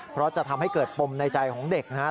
เพราะจะทำให้เกิดปมในใจของเด็กนะครับ